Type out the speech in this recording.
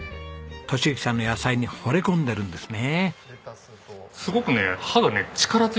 敏之さんの野菜にほれ込んでるんですね。